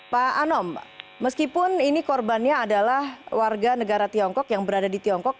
pak anom meskipun ini korbannya adalah warga negara tiongkok yang berada di tiongkok